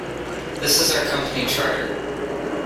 This is our company charter.